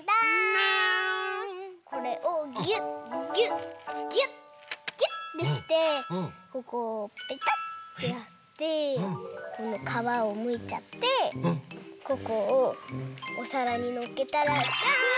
これをギュッギュッギュッギュッてしてここをペタッてやってこのかわをむいちゃってここをおさらにのっけたらじゃん！